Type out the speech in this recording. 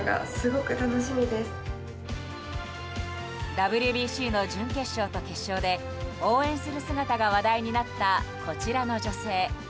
ＷＢＣの準決勝と決勝で応援する姿が話題になったこちらの女性。